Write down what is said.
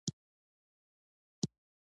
د عبادت لپاره وخت پيدا کړئ.